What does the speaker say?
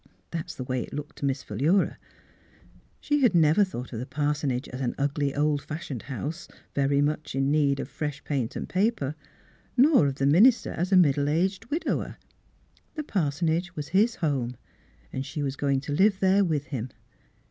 That is the way it looked to Miss Philura. She had never thought of the parsonage as an ugly, old fashioned house, very much in need of fresh paint and paper, nor of the minister as a middle aged widower. The parsonage was his home, and she was go ing to live there with him.